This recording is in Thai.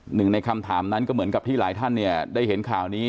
หนึ่งในคำถามนั้นก็เหมือนกับที่หลายท่านเนี่ยได้เห็นข่าวนี้